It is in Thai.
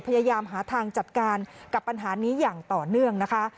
พยายามหาทางจัดการกับปัญหานี้อย่างต่อเนื่องนะคะ